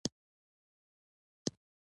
څومره ښکلې سیمه ده